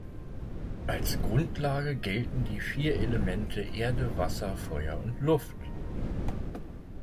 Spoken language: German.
Als Grundlage gelten die vier Elemente Erde, Wasser, Feuer und Luft.